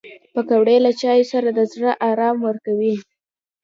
پکورې له چایو سره د زړه ارام ورکوي